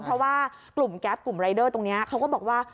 เพราะว่ากลุ่มแก๊ปกลุ่มรายเดอร์ตรงนี้เขาก็บอกว่า